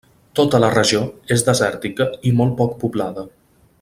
Tota la regió és desèrtica i molt poc poblada.